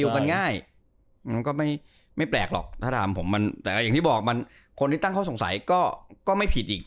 ก็ไม่แปลกหรอกแต่อย่างที่บอกคนที่ตั้งข้อสงสัยก็ไม่ผิดอีก